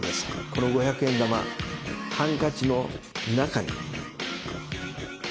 この五百円玉ハンカチの中に。